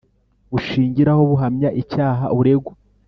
Bushingiraho buhamya icyaha uregwa